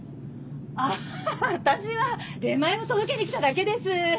あ私は出前を届けに来ただけです。